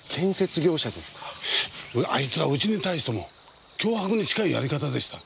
あいつらうちに対しても脅迫に近いやり方でした。